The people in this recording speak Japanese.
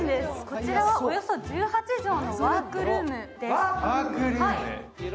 こちらはおよそ１８畳のワークルームです。